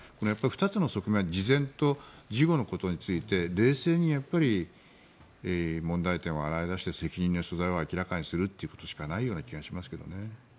２つの側面事前と事後のことについて冷静に問題点を洗い出して責任の所在を明らかにするということしかないような気がしますけどね。